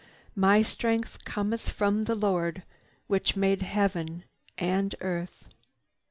My strength cometh from the Lord Which made heaven and earth.